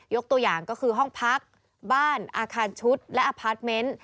ตัวอย่างก็คือห้องพักบ้านอาคารชุดและอพาร์ทเมนต์